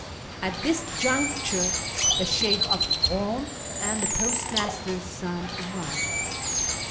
At this juncture the Sheykh of Kum and the postmaster's son arrived.